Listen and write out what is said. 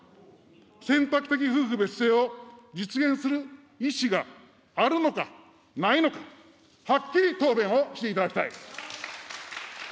選択的夫婦別姓を実現する意思があるのか、ないのか、はっきり答弁をしていただきたい。